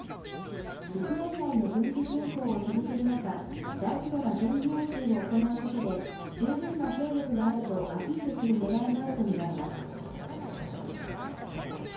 ウクライナへの軍事侵攻を続ける中、大規模な軍事演習を行うことで、十分な兵力があるとアピールするねらいもあると見られます。